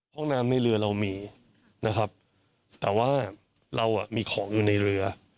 ห้องน้ำในเรือเรามีนะครับแต่ว่าเราอ่ะมีของอยู่ในเรือ